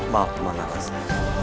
maaf pemanah rasa